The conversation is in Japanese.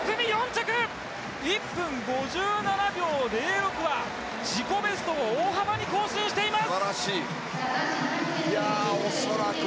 １分５７秒０６は、自己ベストを大幅に更新しています。